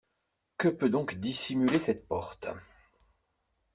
Que peut donc dissimuler cette porte?